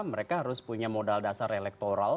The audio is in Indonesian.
mereka harus punya modal dasar elektoral